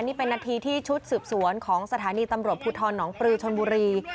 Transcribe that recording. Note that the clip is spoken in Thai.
นี่เป็นนาทีที่ชุดสืบสวนของสถานีตำรวจภูทรหนองปลือชนบุรี